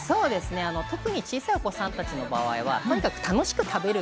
特に小さいお子さんたちの場合は、とにかく楽しく食べる。